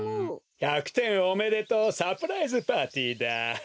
１００点おめでとうサプライズパーティーだ。